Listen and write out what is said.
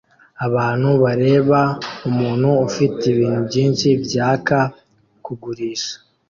Abantu bareba umuntu ufite ibintu byinshi byaka kugurisha